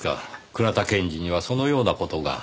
倉田検事にはそのような事が。